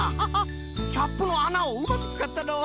キャップのあなをうまくつかったのう。